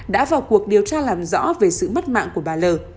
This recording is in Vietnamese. đã vào cuộc điều tra làm rõ về sự mất mạng của bà l